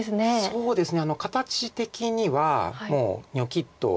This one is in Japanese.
そうですね。